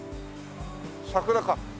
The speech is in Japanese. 桜か？